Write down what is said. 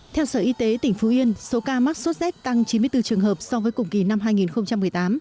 theo sở y tế tỉnh phú yên số ca mắc số z tăng chín mươi bốn trường hợp so với cùng kỳ năm hai nghìn một mươi tám